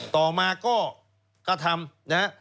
ต่อมาก็กระทำ